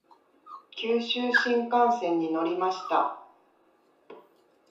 九州新幹線に乗りました。